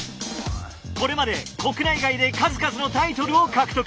これまで国内外で数々のタイトルを獲得。